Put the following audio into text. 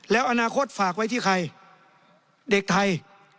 แล้วอนาคตฝากไว้ที่ใครเด็กไทย